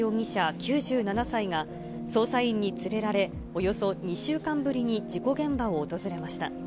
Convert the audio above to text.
９７歳が、捜査員に連れられ、およそ２週間ぶりに事故現場を訪れました。